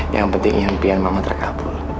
yang penting impian mama terkabul